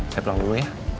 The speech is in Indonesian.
saya pulang dulu ya